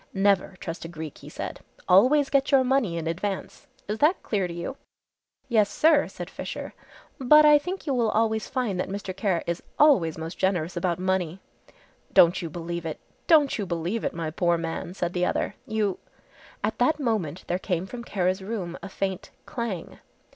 "Never trust a Greek," he said, "always get your money in advance. Is that clear to you?" "Yes, sir," said Fisher, "but I think you will always find that Mr. Kara is always most generous about money." "Don't you believe it, don't you believe it, my poor man," said the other, "you " At that moment there came from Kara's room a faint "clang."